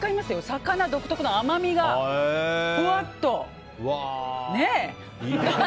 魚独特の甘みがふわっとね。